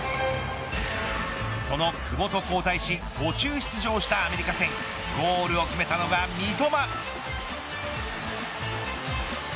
その久保と交代し途中出場したアメリカ戦ゴールを決めたのが三笘。